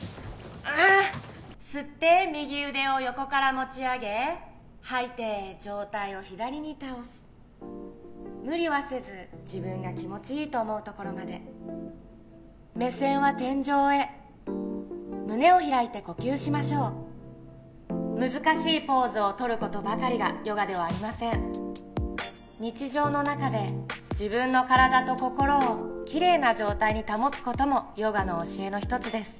ああっ吸って右腕を横から持ち上げ吐いて上体を左に倒す無理はせず自分が気持ちいいと思うところまで目線は天井へ胸を開いて呼吸しましょう難しいポーズをとることばかりがヨガではありません日常の中で自分の体と心をきれいな状態に保つこともヨガの教えの一つです